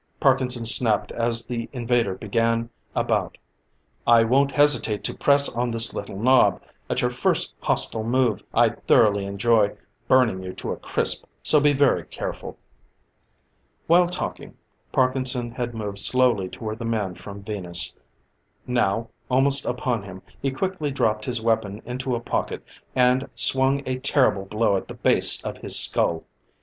Parkinson snapped as the invader began about. "I won't hesitate to press on this little knob, at your first hostile move! I'd thoroughly enjoy burning you to a crisp, so be very careful." While talking, Parkinson had moved slowly toward the man from Venus; now, almost upon him, he quickly dropped his weapon into a pocket, and swung a terrible blow at the base of his skull.